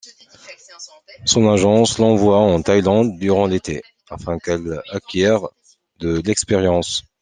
Son agence l'envoie en Thaïlande durant l'été, afin qu'elle acquiert de l'expérience.